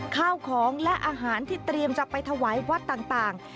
ข้าวของและอาหารที่เตรียมจะไปถวายวัดต่าง